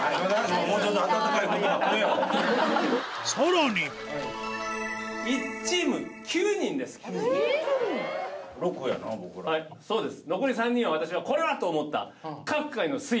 さらにそうです。